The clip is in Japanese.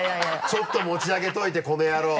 ちょっと持ち上げてといてこのやろう。